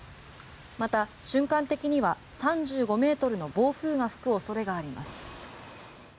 また瞬間的には３５ｍの暴風が吹く恐れがあります。